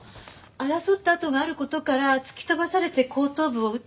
争った跡がある事から突き飛ばされて後頭部を打った可能性が高いわね。